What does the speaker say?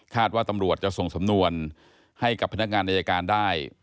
ว่าตำรวจจะส่งสำนวนให้กับพนักงานอายการได้